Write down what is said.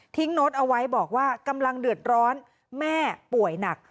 โน้ตเอาไว้บอกว่ากำลังเดือดร้อนแม่ป่วยหนัก